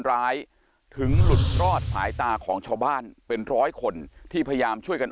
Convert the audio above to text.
ร้ายถึงหลุดรอดสายตาของชาวบ้านเป็นร้อยคนที่พยายามช่วยกัน